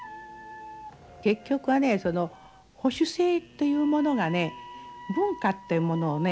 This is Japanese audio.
結局はね保守性というものがね文化ってものをね